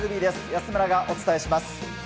安村がお伝えします。